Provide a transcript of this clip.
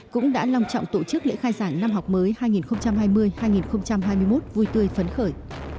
cũng đã long trọng tổ chức lễ khai giảng năm học mới hai nghìn hai mươi hai nghìn hai mươi một vui tươi phấn khởi